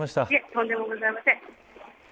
とんでもございません。